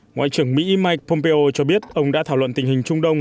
ngoại trưởng mỹ mike pompeo cho biết ông đã thảo luận tình hình trung đông